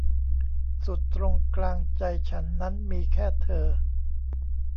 สุดตรงกลางใจฉันนั้นมีแค่เธอ